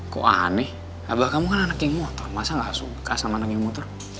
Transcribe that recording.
kok aneh abah kamu kan anak geng motor masa gak suka sama nangin motor